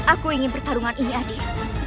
aku ingin pertarungan ini adil